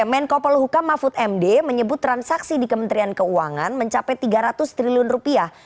menko polhukam mahfud md menyebut transaksi di kementerian keuangan mencapai tiga ratus triliun rupiah